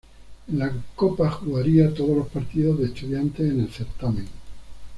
En la Copa jugaría todos los partidos de Estudiantes en el certamen.